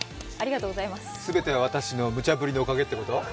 全ては私のむちゃぶりのおかげってこと？